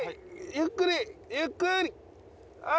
ゆっくりゆっくりはーい。